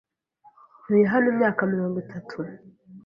Ntuye hano imyaka mirongo itatu.